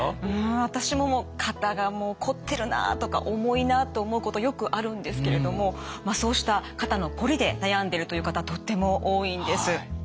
うん私ももう肩がもうこってるなとか重いなと思うことよくあるんですけれどもそうした肩のこりで悩んでるという方とっても多いんです。